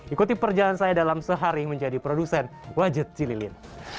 ikuti perjalanan saya dalam sehari menjadi produsen wajat cililin